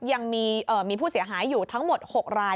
ยังมีผู้เสียหายอยู่ทั้งหมด๖ราย